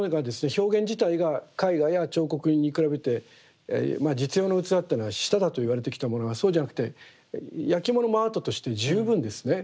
表現自体が絵画や彫刻に比べて実用の器っていうのは下だといわれてきたものがそうじゃなくてやきものもアートとして十分ですね